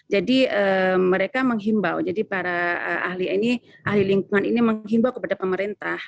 jadi mereka menghimbau jadi para ahli ini ahli lingkungan ini menghimbau kepada pemerintah